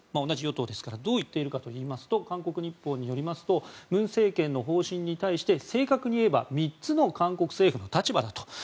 同じ与党ですからどう言っているかといいますと韓国日報によりますと文政権の方針に対して正確に言えば３つの韓国政府の立場だと。